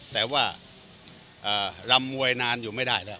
แต่ว่ารำมวยนานอยู่ไม่ได้แล้ว